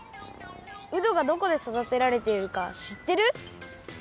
うどがどこでそだてられているかしってる？